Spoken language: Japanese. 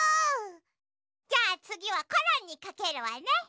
じゃあつぎはコロンにかけるわね。